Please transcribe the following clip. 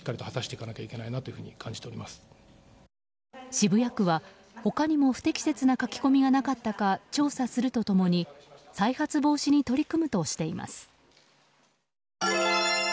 渋谷区は、他にも不適切な書き込みがなかったか調査すると共に再発防止に取り組むとしています。